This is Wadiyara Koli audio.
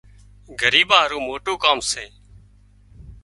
ڳريٻان هارو موٽُون ڪام سي